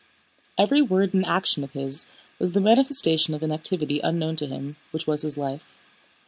Every word and action of his was the manifestation of an activity unknown to him, which was his life.